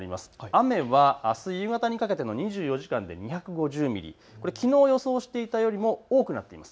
雨はあす夕方にかけての２４時間で２５０ミリ、きのう予想していたよりも多くなっています。